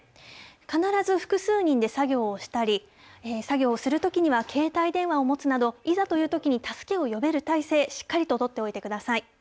必ず複数人で作業をしたり、作業をするときには携帯電話を持つなど、いざというときに助けを呼べる態勢、しっかりと取っておいてください。